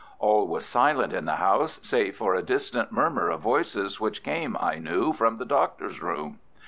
All was silent in the house save for a distant murmur of voices which came, I knew, from the Doctor's room.